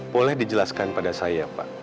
boleh dijelaskan pada saya pak